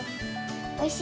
おいしい？